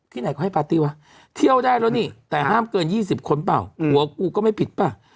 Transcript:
ไหนเขาให้ปาร์ตี้วะเที่ยวได้แล้วนี่แต่ห้ามเกิน๒๐คนเปล่าหัวกูก็ไม่ผิดป่ะ